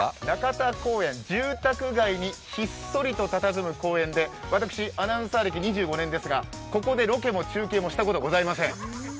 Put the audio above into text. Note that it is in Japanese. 仲田公園、住宅街にひっそりとたたずむ公園で私、アナウンサー歴２５年ですが、ここでロケも中継もしたことございません。